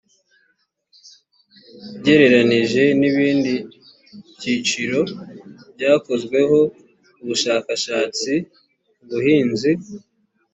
ugereranije n ibindi byiciro byakozweho ubushakashatsi ubuhinzi